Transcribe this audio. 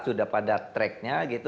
sudah pada tracknya